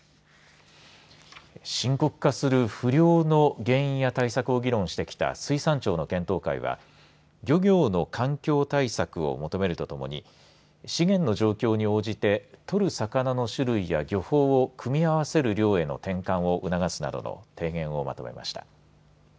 深刻化する不漁の原因や対策を議論してきた水産庁の検討会は漁業の環境対策を求めるとともに資源の状況に応じて取る魚の種類や漁法を組み合わせる漁への転換を促すなどの提言をまとめました。